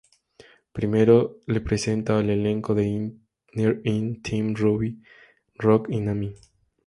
Primero le presenta al elenco del Inner Inn, Tim, Rubí, Rock y Nami.